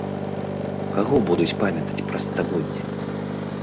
Каго будуць памятаць праз стагоддзі?